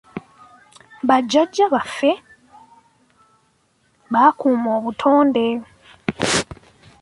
Ba jjajja baffe baakuuma obutonde.